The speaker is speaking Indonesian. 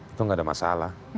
itu nggak ada masalah